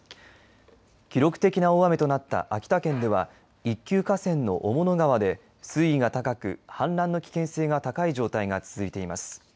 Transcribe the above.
記録的な大雨となった秋田県では一級河川の雄物川で水位が高く氾濫の危険性が高い状態が続いています。